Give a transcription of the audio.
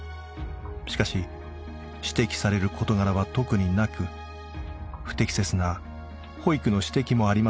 しかし指摘される事柄は特になく不適切な保育の指摘もありませんでした。